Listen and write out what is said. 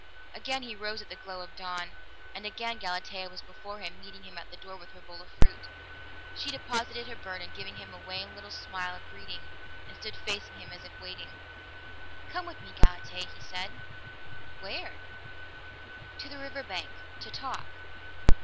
Again he rose at the glow of dawn, and again Galatea was before him, meeting him at the door with her bowl of fruit. She deposited her burden, giving him a wan little smile of greeting, and stood facing him as if waiting. "Come with me, Galatea," he said. "Where?" "To the river bank. To talk."